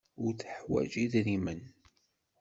Ur teḥwaj idrimen.